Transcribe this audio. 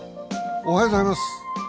おはようございます。